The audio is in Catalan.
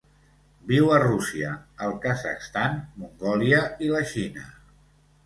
Viu a Rússia, el Kazakhstan, Mongòlia i la Xina.